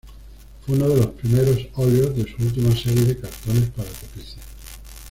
Fue uno de los primeros óleos de su última serie de cartones para tapices.